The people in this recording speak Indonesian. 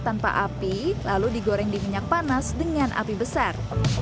tanpa api lalu digoreng di minyak panas dengan api besar